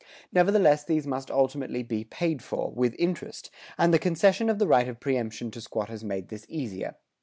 [101:4] Nevertheless these must ultimately be paid for, with interest, and the concession of the right of preëmption to squatters made this easier.